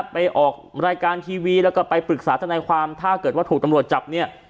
ไปออกรายการทีวีแล้วก็ไปปรึกษาทนายความถ้าเกิดว่าถูกตำรวจจับเนี่ย